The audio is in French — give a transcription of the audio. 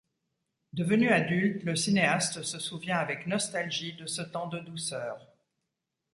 Devenu adulte le cinéaste se souvient avec nostalgie de ce temps de douceur.